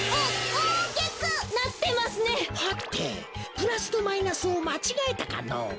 プラスとマイナスをまちがえたかの？